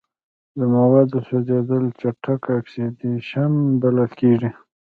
د موادو سوځیدل چټک اکسیدیشن بلل کیږي.